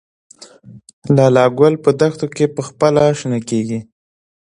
لاله ګل په دښتو کې پخپله شنه کیږي؟